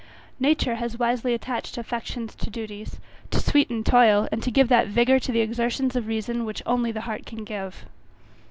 Nature has wisely attached affections to duties, to sweeten toil, and to give that vigour to the exertions of reason which only the heart can give.